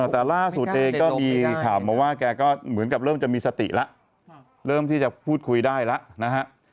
แต่ล่าสุดเองก็มีข่าวมาว่าแกก็เหมือนกับเริ่มจะมีสติแล้วเริ่มที่จะพูดคุยได้แล้วนะฮะ